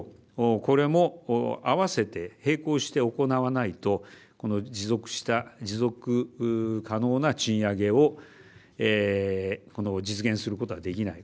これも合わせて並行して行わないとこの持続可能な賃上げを実現することはできない。